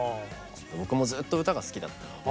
僕もずっと歌が好きだったので。